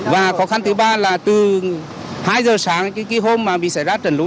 và khó khăn thứ ba là từ hai giờ sáng cái hôm mà bị xảy ra trận lũ